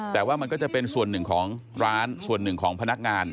แต่ว่ามันก็จะเป็นส่วนหนึ่งของร้านส่วนหนึ่งของพนักงาน